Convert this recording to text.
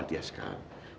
jadi aku gak bisa